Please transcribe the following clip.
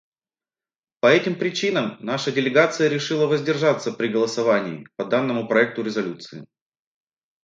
По этим причинам наша делегация решила воздержаться при голосовании по данному проекту резолюции.